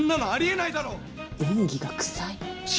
演技が臭い。